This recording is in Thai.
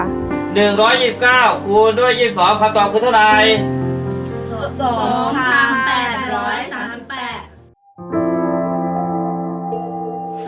หนึ่งร้อยยิบเก้าคูณด้วยยิบสองคำตอบคือเท่าไรสองคำแปดร้อยสามสิบแปด